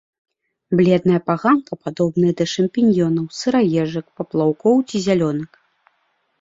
Бледная паганка падобная да шампіньёнаў, сыраежак, паплаўкоў ці зялёнак.